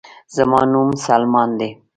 زما نوم سلمان دے